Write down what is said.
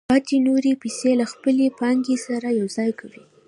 پاتې نورې پیسې له خپلې پانګې سره یوځای کوي